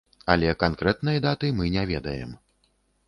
Але канкрэтнай даты мы не ведаем.